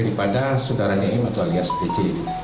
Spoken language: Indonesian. dari pada saudara dm atau alias dc